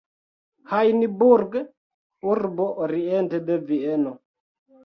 Hajnburg, urbo oriente de Vieno.